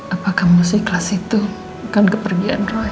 apakah musiklas itu bukan kepergian roy